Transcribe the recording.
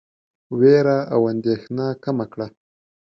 وېره او اندېښنه کمه کړه.